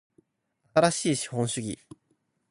新しい資本主義